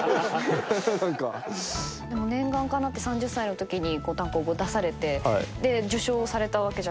でも念願かなって３０歳のときに単行本出されて受賞されたわけじゃないですか。